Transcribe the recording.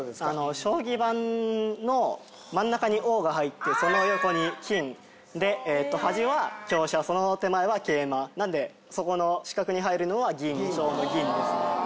将棋盤の真ん中にＯが入ってその横に金で端は香車その手前は桂馬なんでそこの四角に入るのは銀将の銀ですね